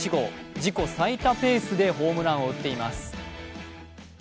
自己最多ペースでホームランを打っています。